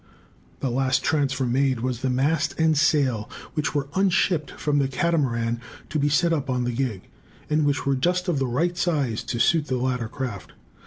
The last transfer made was the mast and sail, which were "unshipped" from the Catamaran to be set up on the gig, and which were just of the right size to suit the latter craft.